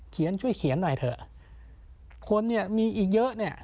เขียนช่วยเขียนหน่อยเถอะคนเนี่ยมีอีกเยอะเนี่ย